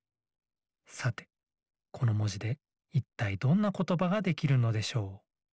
さてこのもじでいったいどんなことばができるのでしょう？